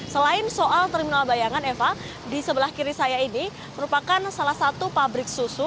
selain soal terminal bayangan eva di sebelah kiri saya ini merupakan salah satu pabrik susu